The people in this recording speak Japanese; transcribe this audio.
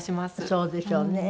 そうでしょうね。